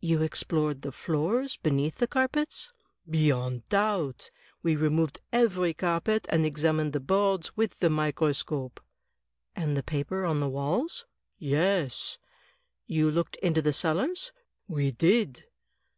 "You explored the floors beneath the carpets?" "Beyond doubt. We removed every carpet, and examined the boards with the microscope." "And the paper on the walls?" "Yes." "You looked into the cellars?" "We did."